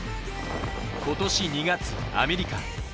今年２月アメリカ。